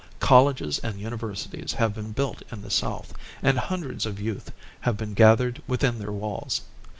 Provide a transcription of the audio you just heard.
Colleges and universities have been built in the South, and hundreds of youth have been gathered within their walls.